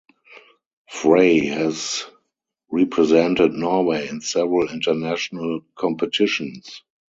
Frey has represented Norway in several international competitions.